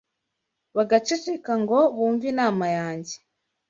Bagaceceka, ngo bumve inama yanjye